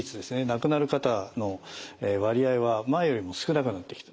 亡くなる方の割合は前よりも少なくなってきた。